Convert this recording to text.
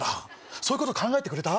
そういうこと考えてくれた？